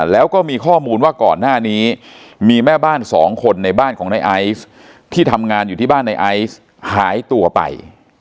แล้วก็มีข้อมูลว่าก่อนหน้านี้มีแม่บ้านสองคนในบ้านของในไอซ์ที่ทำงานอยู่ที่บ้านในไอซ์หายตัวไป